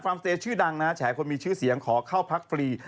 สเตย์ชื่อดังนะแฉคนมีชื่อเสียงขอเข้าพักฟรี